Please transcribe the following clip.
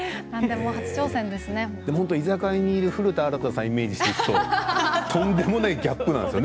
居酒屋にいる古田新太さんをイメージしていくととんでもないギャップなんですよ